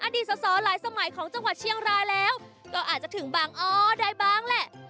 สอสอหลายสมัยของจังหวัดเชียงรายแล้วก็อาจจะถึงบางอ้อได้บ้างแหละ